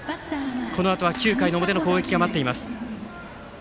このあとは９回の表の攻撃が待っています。